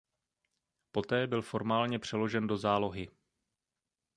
Poté byl formálně přeložen do zálohy.